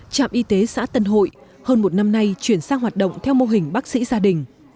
trạm y tế xã tân hội hơn một năm nay chuyển sang hoạt động theo mô hình bác sĩ gia đình